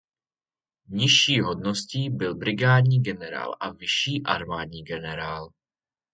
Nižší hodností byl brigádní generál a vyšší armádní generál.